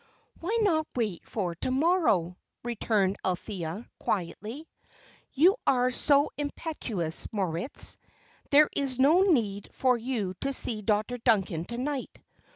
"Why not wait for to morrow?" returned Althea, quietly. "You are so impetuous, Moritz. There is no need for you to see Dr. Duncan to night.